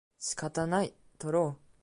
仕方ない、とろう